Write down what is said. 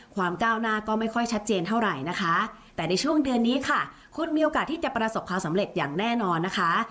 ก้าวหน้าก็ไม่ค่อยชัดเจนเท่าไหร่นะคะแต่ในช่วงเดือนนี้ค่ะคุณมีโอกาสที่จะประสบความสำเร็จอย่างแน่นอนนะคะ